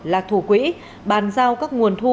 là thủ quỹ bàn giao các nguồn thu